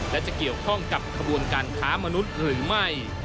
และจะเกี่ยวข้องกับขบวนการค้ามนุษย์หรือไม่